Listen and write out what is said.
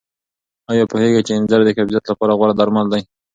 آیا پوهېږئ چې انځر د قبضیت لپاره غوره درمل دي؟